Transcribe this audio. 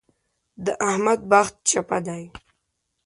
د احمد بخت چپه دی.